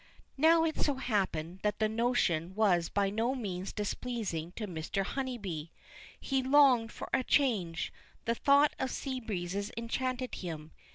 Now it so happened, that the notion was by no means displeasing to Mr. Honeybee. He longed for a change; the thought of sea breezes enchanted him.